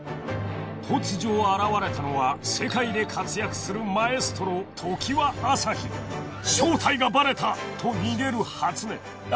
突如現れたのは世界で活躍するマエストロ正体がバレた！と逃げる初音あ！